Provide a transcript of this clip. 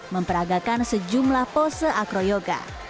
memperagakan sejumlah pose akri yoga